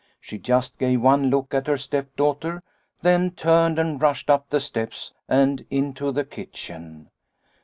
She just gave one look at her step daughter, then turned and rushed up the steps and into the kitchen.